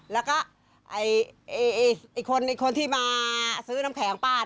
แล้วก็คนที่มาซื้อน้ำแข็งป้า